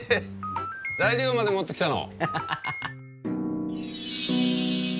材料まで持ってきたの？